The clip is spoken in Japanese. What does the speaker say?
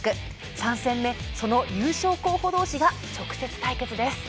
３戦目、その優勝候補同士が直接対決です。